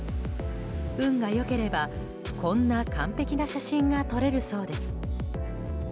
運が良ければこんな完璧な写真が撮れるそうです。